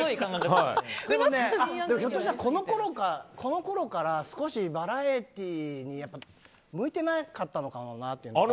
ひょっとしたら、このころから少しバラエティーに向いてなかったのかもなというのが。